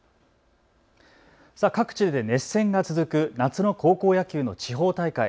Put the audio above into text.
各地で熱戦が続く夏の高校野球の地方大会。